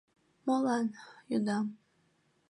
— Молан? — йодам.